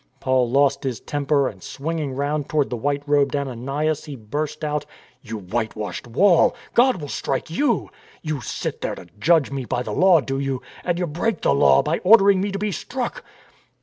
Paul lost his temper, and swinging round toward the white robed Ananias he burst out : "You white washed wall, God will strike you! You sit there to judge me by the Law, do you ? And you break the Law by ordering me to be struck